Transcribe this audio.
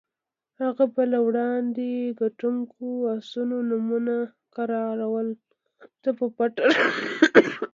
هغه به له وړاندې ګټونکو اسونو نومونه کراول ته په پټه ښودل.